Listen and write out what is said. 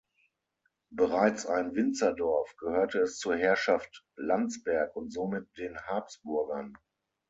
Bereits ein Winzerdorf, gehörte es zur Herrschaft Landsberg und somit den Habsburgern.